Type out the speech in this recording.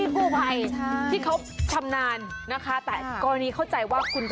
กูตัวนี้ไม่ตาย